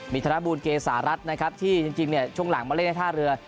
มีธนบูลเกษารัฐนะครับที่จริงเนี่ยช่วงหลังมาเล่นในท่าเรือ